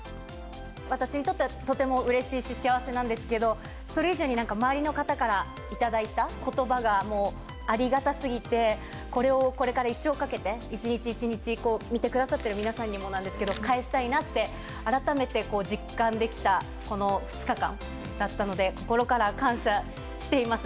私にとってはとてもうれしいし、幸せなんですけど、それ以上になんか、周りの方から頂いたことばがもうありがたすぎて、これをこれから一生かけて、一日一日、見てくださってる皆さんにもですけど、返したいなって、改めて実感できたこの２日間だったので、心から感謝しています。